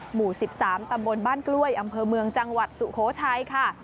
หมู่๑๓ตำบลบ้านกล้วยอำเภอเมืองจังหวัดสุโขทัยค่ะ